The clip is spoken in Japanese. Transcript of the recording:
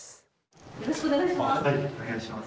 よろしくお願いします。